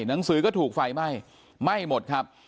หนังสือก็ถูกไฟไหม้ไหม้หมดครับ